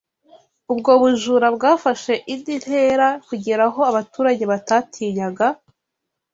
ubwo bujura bwafashe indi ntera kugera aho abaturage batatinyaga